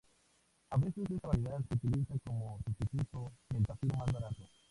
A veces esta variedad se utiliza como un sustituto del zafiro más barato.